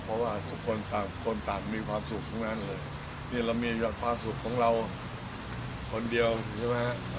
เพราะว่าทุกคนต่างคนต่างมีความสุขทั้งนั้นเลยนี่เรามีแต่ความสุขของเราคนเดียวใช่ไหมฮะ